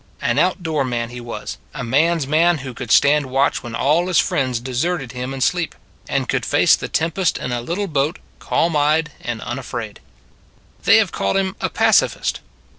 An outdoor man He was, a man s man who could stand watch when all His friends deserted Him in sleep, and could face the tempest in a little boat calm eyed and unafraid. 83 84 It s a Good Old World They have called Him a pacifist.